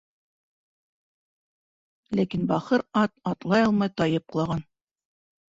Ләкин бахыр ат атлай алмай тайып ҡолаған.